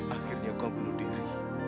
akhirnya kau bunuh diri